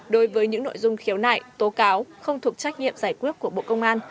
đối với những nội dung khiếu nại tố cáo không thuộc trách nhiệm giải quyết của bộ công an